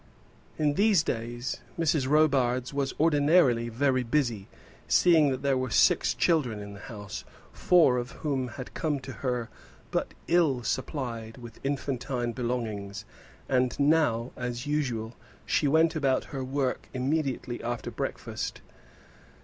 In these days Mrs. Robarts was ordinarily very busy, seeing that there were six children in the house, four of whom had come to her but ill supplied with infantine belongings; and now, as usual, she went about her work immediately after breakfast.